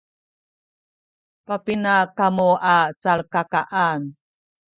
papina kamu a calkakaan?